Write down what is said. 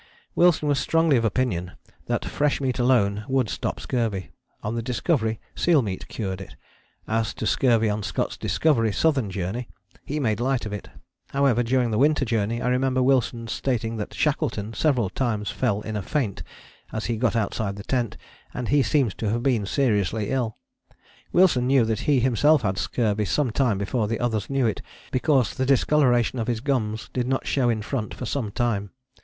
Wilson was strongly of opinion that fresh meat alone would stop scurvy: on the Discovery seal meat cured it. As to scurvy on Scott's Discovery Southern Journey, he made light of it: however, during the Winter Journey I remember Wilson stating that Shackleton several times fell in a faint as he got outside the tent, and he seems to have been seriously ill: Wilson knew that he himself had scurvy some time before the others knew it, because the discoloration of his gums did not show in front for some time.